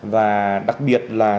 và đặc biệt là